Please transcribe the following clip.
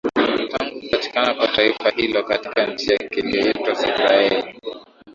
tangu kupatikana kwa taifa hilo katika nchi yake inayoitwa Israeli